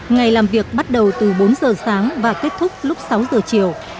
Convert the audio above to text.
ngày làm việc bắt đầu từ bốn giờ sáng và kết thúc lúc sáu giờ chiều